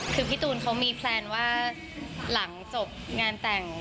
คือพี่ตูนเขามีแพลนว่าหลังจบงานแต่ง